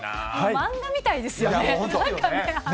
漫画みたいですよね。